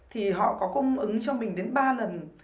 thì họ có cung ứng cho mình đến ba lần